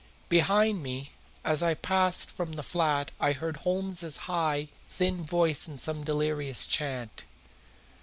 Behind me as I passed from the flat I heard Holmes's high, thin voice in some delirious chant.